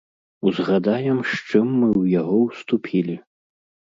Узгадаем, з чым мы ў яго ўступілі.